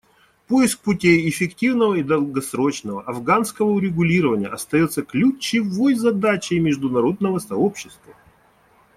Поиск путей эффективного и долгосрочного афганского урегулирования остается ключевой задачей международного сообщества.